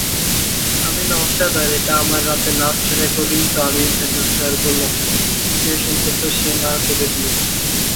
আমি রামকৃষ্ণ পরমহংসদেবকে লক্ষ্য করিয়া এ কথা বলিতেছি।